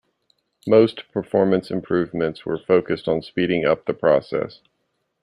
Most performance improvements were focused on speeding up the process.